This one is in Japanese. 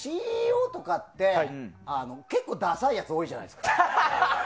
ＣＥＯとかって結構ダサいやつ多いじゃないですか。